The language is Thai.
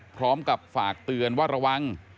พร้อมกับฝากเตือนว่าระวัง